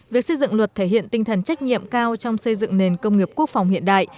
việc xây dựng luật thể hiện tinh thần trách nhiệm cao trong xây dựng nền công nghiệp quốc phòng hiện đại